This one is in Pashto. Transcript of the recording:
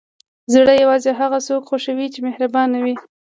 زړه یوازې هغه څوک خوښوي چې مهربان وي.